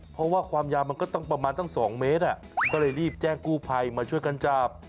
เพราะว่าความยาวมันก็ต้องประมาณตั้ง๒เมตรก็เลยรีบแจ้งกู้ภัยมาช่วยกันจับ